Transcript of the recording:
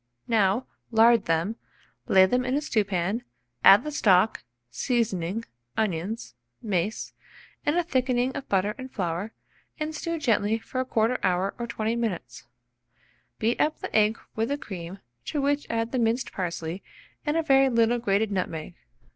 Now lard them, lay them in a stewpan, add the stock, seasoning, onions, mace, and a thickening of butter and flour, and stew gently for 1/4 hour or 20 minutes. Beat up the egg with the cream, to which add the minced parsley and a very little grated nutmeg.